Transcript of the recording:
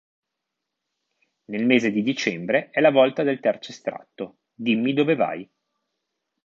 Nel mese di dicembre è la volta del terzo estratto "Dimmi dove vai".